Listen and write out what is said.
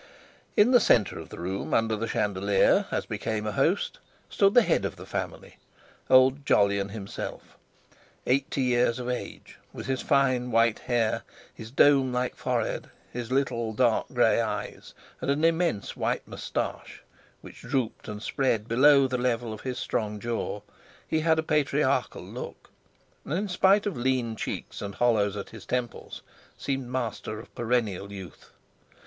In the centre of the room, under the chandelier, as became a host, stood the head of the family, old Jolyon himself. Eighty years of age, with his fine, white hair, his dome like forehead, his little, dark grey eyes, and an immense white moustache, which drooped and spread below the level of his strong jaw, he had a patriarchal look, and in spite of lean cheeks and hollows at his temples, seemed master of perennial youth.